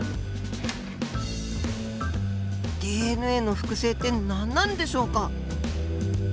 ＤＮＡの複製って何なんでしょうか。